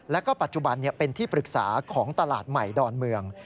แล้วก็ปัจจุบันเป็นที่ปรึกษาของตลาดใหม่ดอนเมือง